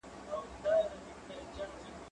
هغه وويل چي لوبي مهمي دي